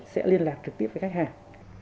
sẽ liên lạc trực tiếp với khách hàng